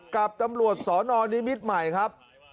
กับตำรวจสนนิมิตรใหม่ครับ